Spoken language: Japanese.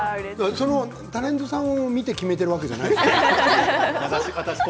タレントさんを見て決めているわけじゃありませんよね。